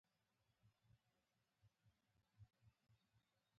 پیلوټ د انجن غږ پېژني.